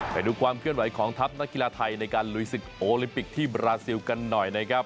ไปดูความเคลื่อนไหวของทัพนักกีฬาไทยในการลุยศึกโอลิมปิกที่บราซิลกันหน่อยนะครับ